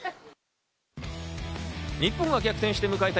日本が逆転して迎えた